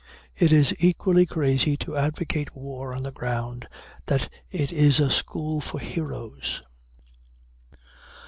It is equally crazy to advocate war on the ground that it is a school for heroes.